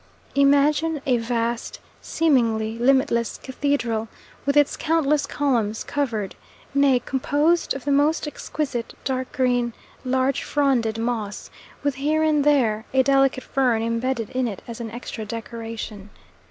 Imagine a vast, seemingly limitless cathedral with its countless columns covered, nay, composed of the most exquisite dark green, large fronded moss, with here and there a delicate fern embedded in it as an extra decoration.